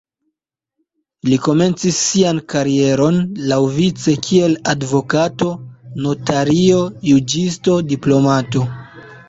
Li komencis sian karieron laŭvice kiel advokato, notario, juĝisto, diplomato.